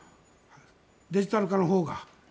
デジタル化のほうが。